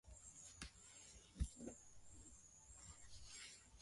atasisitiza tu jinsi muugano uliovysema